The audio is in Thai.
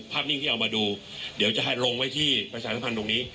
นิ่งที่เอามาดูเดี๋ยวจะลงไว้ที่ประชาสัมพันธ์ตรงนี้